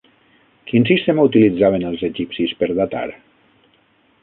Quin sistema utilitzaven els egipcis per datar?